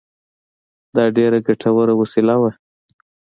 دا ډېره ګټوره وسیله وه